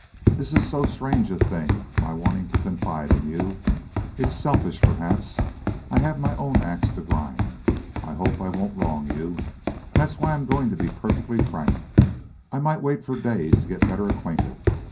This is so strange a thing, my wanting to confide in you. It's selfish, perhaps. I have my own ax to grind. I hope I won't wrong you. That's why I'm going to be perfectly frank. I might wait for days to get better acquainted.